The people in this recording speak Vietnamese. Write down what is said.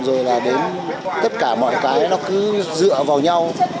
rồi là đến tất cả mọi cái nó cứ dựa vào nhau